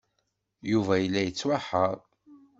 Yuba yella yettwaḥeṛṛ.